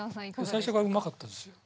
最初からうまかったですよ。